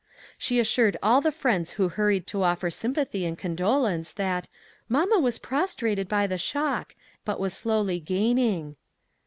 She assured all the friends who hurried to offer sympathy and condolence, that " mamma was prostrated by the shock, but was slowly gaining."